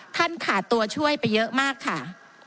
ขาดตัวช่วยไปเยอะมากค่ะ